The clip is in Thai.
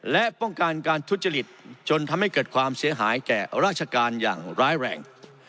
และป้องกันการทุจริตจนทำให้เกิดความเสียหายแก่ราชการอย่างร้ายแรง